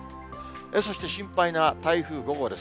そして心配な台風５号です。